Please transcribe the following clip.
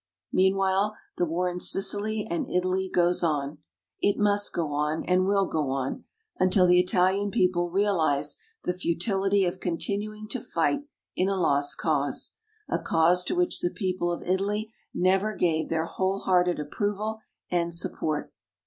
Meanwhile, the war in Sicily and Italy goes on. It must go on, and will go on, until the Italian people realize the futility of continuing to fight in a lost cause a cause to which the people of Italy never gave their wholehearted approval and support.